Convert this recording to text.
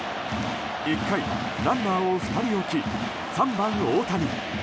１回、ランナーを２人置き３番、大谷。